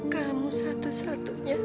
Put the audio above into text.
kamu satu satunya cucu eyang